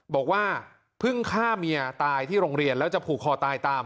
บอกว่าเพิ่งฆ่าเมียตายที่โรงเรียนแล้วจะผูกคอตายตาม